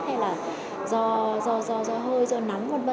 hay là do hơi do nóng v v